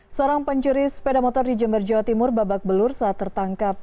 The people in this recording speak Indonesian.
seorang pencuri sepeda motor di jember jawa timur babak belur saat tertangkap